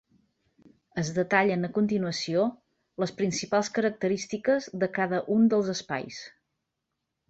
Es detallen a continuació les principals característiques de cada un dels espais.